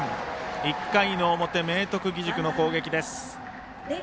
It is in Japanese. １回の表、明徳義塾の攻撃です。